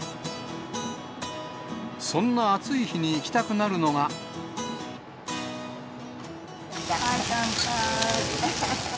そんな暑い日に行きたくなるかんぱーい。